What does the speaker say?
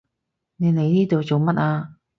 你嚟呢度做乜啊？